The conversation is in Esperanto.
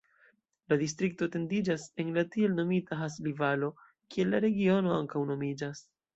La distrikto etendiĝas en la tiel nomita Hasli-Valo, kiel la regiono ankaŭ nomiĝas.